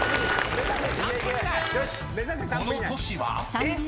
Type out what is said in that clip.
［この都市は？］